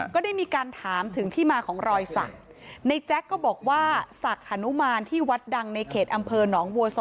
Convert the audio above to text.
ก็ได้มีการถามถึงที่มาของรอยสักในแจ๊กก็บอกว่าศักดิ์ฮานุมานที่วัดดังในเขตอำเภอหนองบัวซอ